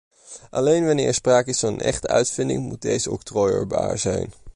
Alleen wanneer er sprake is van een echte uitvinding moet deze octrooieerbaar zijn.